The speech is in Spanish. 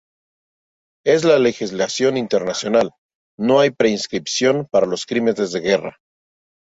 En la legislación internacional, no hay prescripción para los crímenes de guerra.